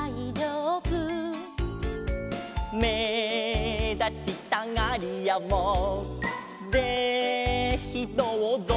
「めだちたがりやもぜひどうぞ」